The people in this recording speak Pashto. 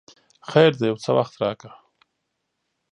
خیر دی یو څه وخت راکړه!